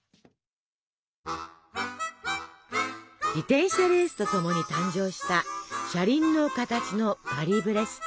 自転車レースとともに誕生した車輪の形のパリブレスト。